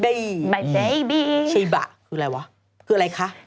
มายเบบียชิบะคืออะไรวะคืออะไรคะ